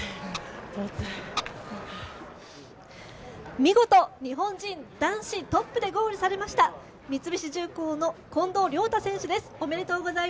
見事日本人男子トップでゴールされました、三菱重工の近藤亮太選手です。